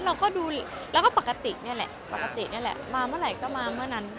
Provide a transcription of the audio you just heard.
เราก็ดูแล้วก็ปกตินี่แหละปกตินี่แหละมาเมื่อไหร่ก็มาเมื่อนั้น